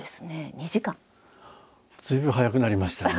随分早くなりましたね。